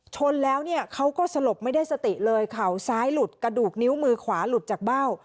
ชนแล้วเนี่ยเขาก็สลบไม่ได้สติเลยเข่าซ้ายหลุดกระดูกนิ้วมือขวาหลุดจากเบ้า